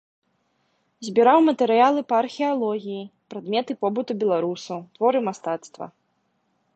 Збіраў матэрыялы па археалогіі, прадметы побыту беларусаў, творы мастацтва.